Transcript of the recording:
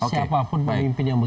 siapapun pemimpin yang begitu